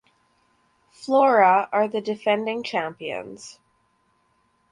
Flora are the defending champions.